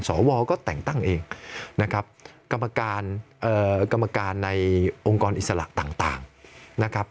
สวก็แต่งตั้งเองนะครับกรรมการกรรมการในองค์กรอิสระต่างนะครับ